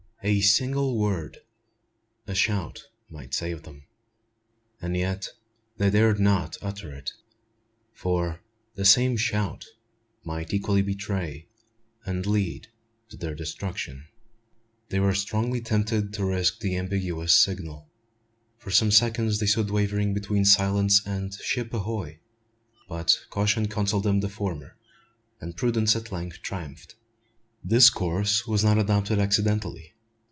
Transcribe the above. A single word a shout might save them; and yet they dared not utter it; for the same shout might equally betray, and lead to their destruction. They were strongly tempted to risk the ambiguous signal. For some seconds they stood wavering between silence and "Ship ahoy!" but caution counselled the former, and prudence at length triumphed. This course was not adopted accidentally.